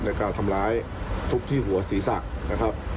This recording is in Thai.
ในการทำร้ายทุกที่หัวศรีศักดิ์นะครับ